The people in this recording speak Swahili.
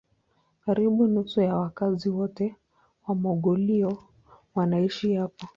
Karibu nusu ya wakazi wote wa Mongolia wanaishi hapa.